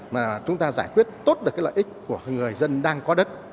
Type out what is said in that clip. mà chúng ta giải quyết tốt được cái lợi ích của người dân đang có đất